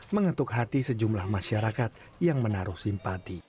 mengetuk hati sejumlah masyarakat yang menaruh simpati